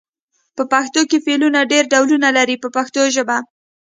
په پښتو کې فعلونه ډېر ډولونه لري په پښتو ژبه.